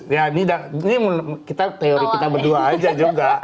ya ini teori kita berdua aja juga